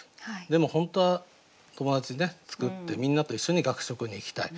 でも本当は友達作ってみんなと一緒に学食に行きたい。